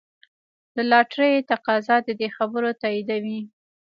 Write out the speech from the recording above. د لاټرۍ تقاضا د دې خبرې تاییدوي.